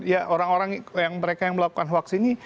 ya orang orang yang mereka yang melakukan hoax ini